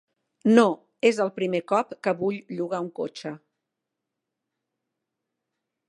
No, és el primer cop que vull llogar un cotxe.